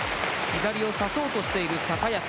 左を差そうとしている高安。